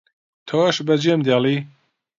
تۆش بەجێم دێڵی